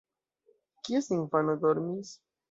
Kies infano dormis?